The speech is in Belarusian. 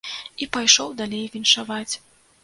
І пайшоў далей віншаваць.